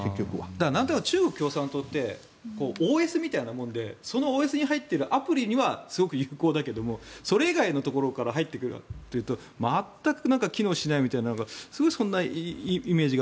中国共産党ってＯＳみたいなものでそのＯＳに入っているアプリには有効だけどそれ以外のところから入ってくるというと全く機能しないみたいなイメージ。